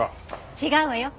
違うわよ。